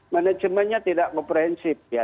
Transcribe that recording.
manajemennya tidak komprehensif ya